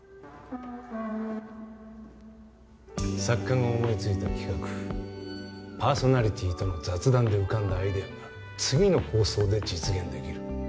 作家が思いついた企画パーソナリティーとの雑談で浮かんだアイデアが次の放送で実現できる。